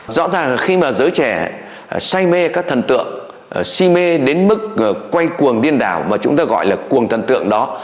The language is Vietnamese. rõ ràng khi mà giới trẻ say mê các thần tượng si mê đến mức quay cuồng điên đảo mà chúng ta gọi là cuồng thần tượng đó